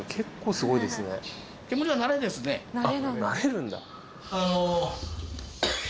あっ慣れるんだ。